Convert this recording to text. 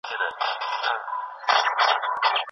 ملکیت باید مشروع وي.